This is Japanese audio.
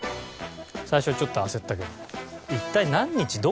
最初ちょっと焦ったけど。